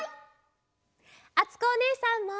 あつこおねえさんも！